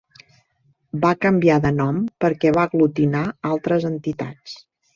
Va canviar de nom perquè va aglutinar altres entitats.